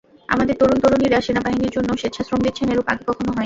আমাদের তরুণ-তরুণীরা সেনাবাহিনীর জন্য স্বেচ্ছা শ্রম দিচ্ছেন, এরূপ আগে কখনো হয়নি।